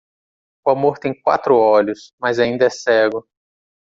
O amor tem quatro olhos, mas ainda é cego.